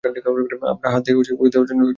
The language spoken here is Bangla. আমার হাত উড়িয়ে দেওয়ার জন্য যথেষ্ট।